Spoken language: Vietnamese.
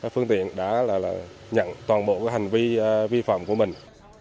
phương tiện đã nhận toàn bộ hành vi vi phạm của mình